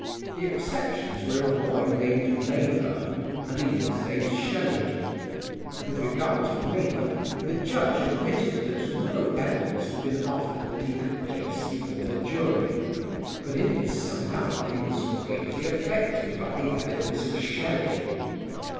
The exceptions were a boy named Mavor and a youth named Shelley. With regard to Mavor the judge admitted that no evidence had been offered that he could place before the jury; but in his summing up he was greatly affected by the evidence of Shelley.